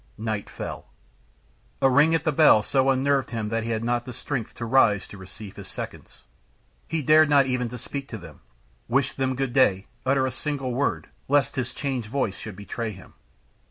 Night fell. A ring at the bell so unnerved him that he had not the strength to rise to receive his seconds. He dared not even to speak to them, wish them good day, utter a single word, lest his changed voice should betray him.